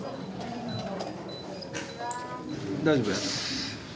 大丈夫です。